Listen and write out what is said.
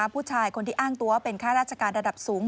ผู้ชายคนที่อ้างตัวว่าเป็นค่าราชการระดับสูง